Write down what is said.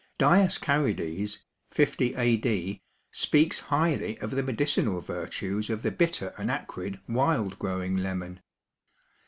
Dioscarides (50 A. D.) speaks highly of the medicinal virtues of the bitter and acrid wild growing lemon.